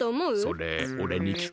それおれにきく？